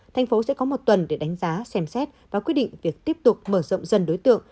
thành phố sẽ có một tuần để đánh giá xem xét và quyết định việc tiếp tục mở rộng dân đối tượng